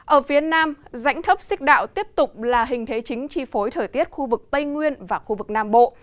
ở phía nam dãnh thấp xích đạo tiếp tục là hình thế chính chi phối thời tiết khu vực tây nguyên và khu vực nam bộ